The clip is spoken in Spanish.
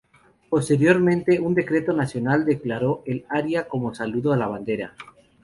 Posteriormente un decreto nacional declaró el aria como "Saludo a la bandera".